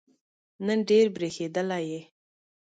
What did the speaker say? نن ډېر برېښېدلی یې